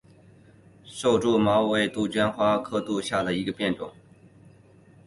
瘦柱绒毛杜鹃为杜鹃花科杜鹃属下的一个变种。